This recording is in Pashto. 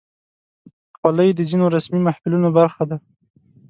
خولۍ د ځینو رسمي محفلونو برخه ده.